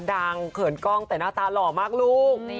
เขินกล้องแต่หน้าตาหล่อมากลูก